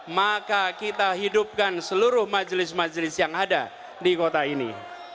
maka kita hidupkan seluruh majelis majelis yang ada di kota ini